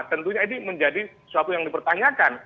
tentunya ini menjadi sesuatu yang dipertanyakan